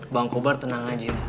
bang kobar tenang aja